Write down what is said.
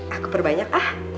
aku perbanyak ah